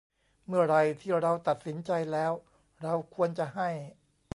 เมื่อไหร่ที่เราตัดสินใจแล้ว เราควรจะให้